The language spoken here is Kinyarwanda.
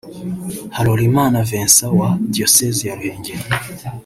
Harorimana Vincent (wa Diocèse ya Ruhengeri)